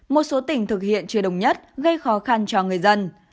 một số tỉnh thực hiện chưa đồng nhất gây khó khăn cho người dân